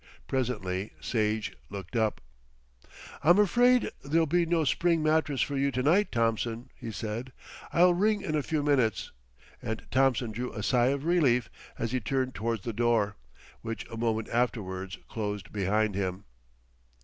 Presently Sage looked up. "I'm afraid there'll be no spring mattress for you to night, Thompson," he said. "I'll ring in a few minutes," and Thompson drew a sigh of relief as he turned towards the door, which a moment afterwards closed behind him.